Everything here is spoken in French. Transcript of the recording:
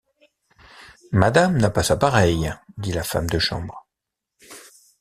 Madame n’a pas sa pareille, dit la femme de chambre.